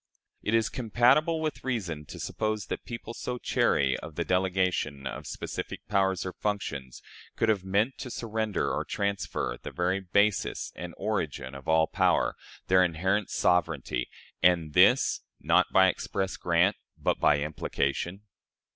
Is it compatible with reason to suppose that people so chary of the delegation of specific powers or functions could have meant to surrender or transfer the very basis and origin of all power their inherent sovereignty and this, not by express grant, but by implication?